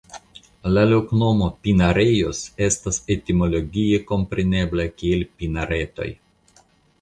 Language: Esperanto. La loknomo "Pinarejos" estas etimologie komprenebla kiel Pinaretoj.